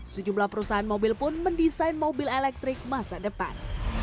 sejumlah perusahaan mobil pun mendesain mobil elektrik masa depan